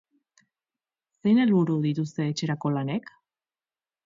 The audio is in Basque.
Zein helburu dituzte etxerako lanek?